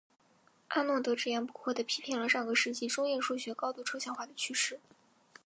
阿诺德直言不讳地批评了上个世纪中叶数学高度抽象化的趋势。